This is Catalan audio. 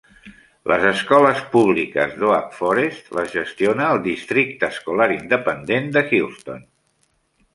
Les escoles públiques d'Oak Forest les gestiona el Districte Escolar Independent de Houston.